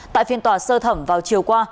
tại phiên tòa sơ thẩm vào chiều qua